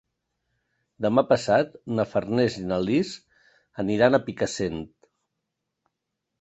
Demà passat na Farners i na Lis aniran a Picassent.